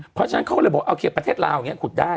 เพราะฉะนั้นเขาก็เลยบอกโอเคประเทศลาวอย่างนี้ขุดได้